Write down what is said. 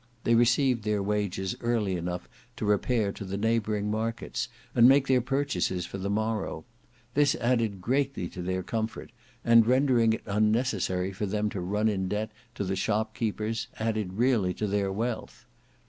They received their wages early enough to repair to the neighbouring markets and make their purchases for the morrow. This added greatly to their comfort, and rendering it unnecessary for them to run in debt to the shopkeepers, added really to their wealth.